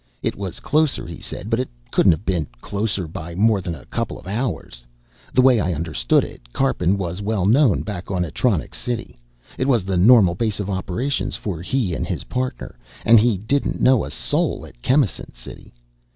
It was closer, he said, but it couldn't have been closer by more than a couple of hours. The way I understood it, Karpin was well known back on Atronics City it was the normal base of operations for he and his partner and he didn't know a soul at Chemisant City.